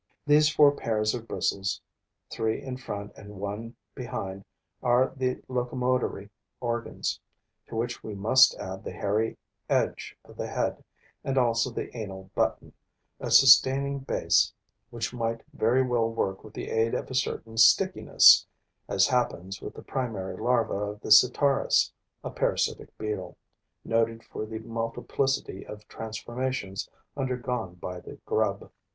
These four pairs of bristles, three in front and one behind, are the locomotory organs, to which we must add the hairy edge of the head and also the anal button, a sustaining base which might very well work with the aid of a certain stickiness, as happens with the primary larva of the Sitaris [a Parasitic Beetle noted for the multiplicity of transformations undergone by the grub].